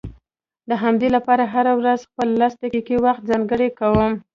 د همدې لپاره هره ورځ خپل لس دقيقې وخت ځانګړی کوم.